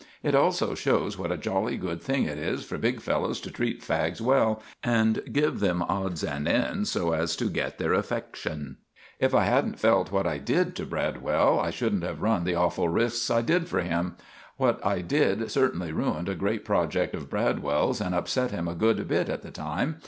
It also shows what a jolly good thing it is for big fellows to treat fags well, and give them odds and ends so as to get their affecksun. If I hadn't felt what I did to Bradwell, I shouldn't have run the awful risks I did for him. What I did certinly ruined a great project of Bradwell's, and upsett him a good bit at the time.